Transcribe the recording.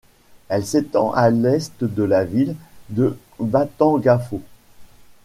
Elle s’étend à l’est de la ville de Batangafo.